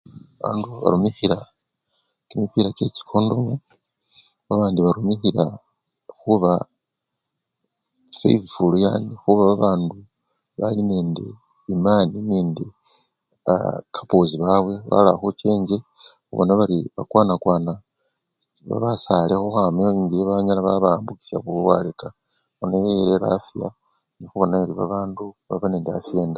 Bandu barumikhila kimipira kyechikondomu babandi barumikhila khuba feyithful yani khuba babandu bali nende imani nende aa! kapoosi babwe balakhucha enjje khubona bari bakwanakwana basale khukhwama enjje banyala babawambukisha bulwale taa nono eyo erera afya nekhubona khuri babandu baba nende afiya endayi.